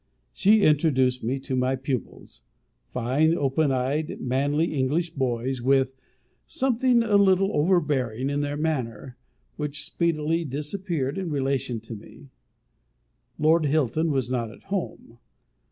She introduced to me my pupils; fine, open eyed, manly English boys, with something a little overbearing in their manner, which speedily disappeared in relation to me. Lord Hilton was not at home.